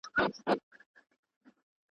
سر پر سر به ښې مزې واخلو له ژونده !.